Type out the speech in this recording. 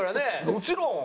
もちろん！